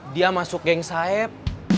dia masuk geng saeb